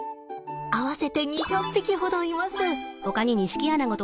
合わせて２００匹ほどいます。